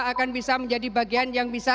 akan bisa menjadi bagian yang bisa